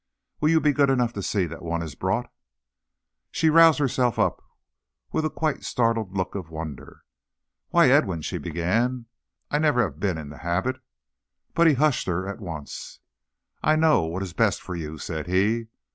"Will you be good enough to see that one is brought?" She roused herself up with quite a startled look of wonder. "Why, Edwin," she began, "I never have been in the habit " But he hushed her at once. "I know what is best for you," said he.